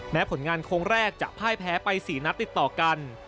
ผลงานโค้งแรกจะพ่ายแพ้ไป๔นัดติดต่อกัน